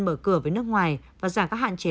mở cửa với nước ngoài và giảm các hạn chế